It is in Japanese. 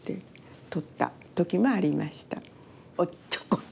撮った時もありました。